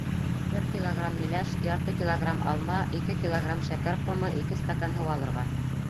Бер килограмм миләш, ярты килограмм алма, ике килограмм шәкәр ҡомо, ике стакан һыу алырға.